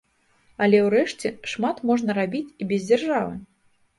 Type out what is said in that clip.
Але ўрэшце, шмат можна рабіць і без дзяржавы.